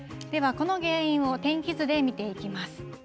この原因を天気図で見ていきます。